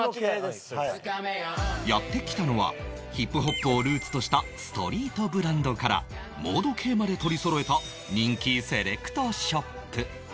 やって来たのは ＨＩＰＨＯＰ をルーツとしたストリートブランドからモード系まで取りそろえた人気セレクトショップ